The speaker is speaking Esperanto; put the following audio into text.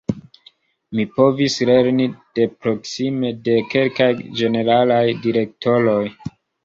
Mi povis lerni de proksime de kelkaj ĝeneralaj direktoroj.